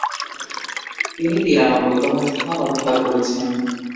তিনি তিরানব্বইতম স্থান অধিকার করেছেন।